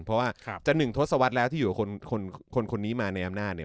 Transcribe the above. เพราะว่าจะหนึ่งทศวรรษแล้วที่อยู่กับคนนี้มาในอำนาจเนี่ย